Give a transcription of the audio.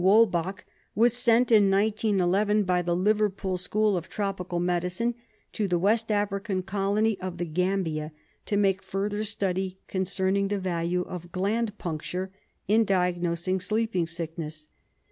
Wolbach, was sent in 1911 by the Liverpool School of Tropical Medicine to the West African Colony of the Gambia to make further study concerning the value of gland puncture in diagnosing sleeping sickness.